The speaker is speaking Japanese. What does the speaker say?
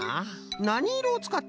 なにいろをつかったんじゃ？